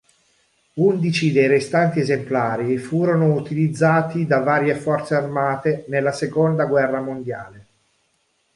Undici dei restanti esemplari furono utilizzati da varie forze armate nella Seconda guerra mondiale.